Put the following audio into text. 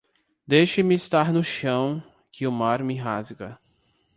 Deixe-me estar no chão, que o mar me rasga.